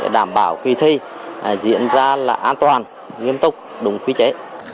đảm bảo quy thi diễn ra là an toàn nghiêm túc đúng quy chế